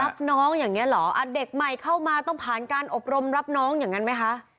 รับน้องอย่างเงี้เหรออ่ะเด็กใหม่เข้ามาต้องผ่านการอบรมรับน้องอย่างนั้นไหมคะ